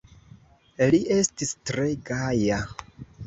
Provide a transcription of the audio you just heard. Li estis tre gaja.